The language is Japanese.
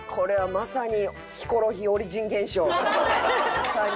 まさに。